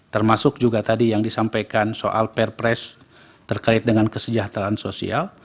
termasuk juga tadi yang disampaikan soal perpres terkait dengan kesejahteraan sosial